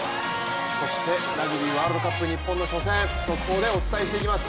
そしてラグビーワールドカップ日本の初戦、速報でお伝えしていきます。